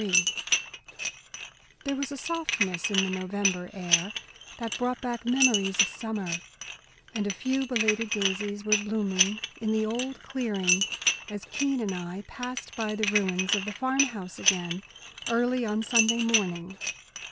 III There was a softness in the November air that brought back memories of summer, and a few belated daisies were blooming in the old clearing, as Keene and I passed by the ruins of the farm house again, early on Sunday morning.